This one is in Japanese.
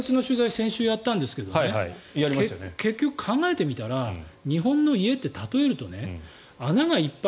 先週やったんですけど結局、考えてみたら日本の家って例えると穴がいっぱい